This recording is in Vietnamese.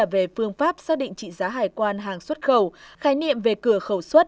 về phương pháp xác định trị giá hải quan hàng xuất khẩu khái niệm về cửa khẩu xuất